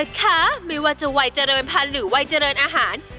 ไม่ว่าจะวัยเจริญพันธุ์หรือวัยเจริญอาหาร